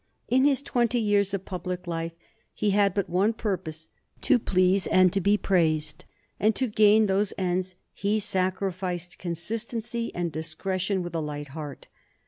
In his twenty years of public life he had but one purpose to please and to be praised; and to gain those ends he sacrificed consistency and discretion with a light heart.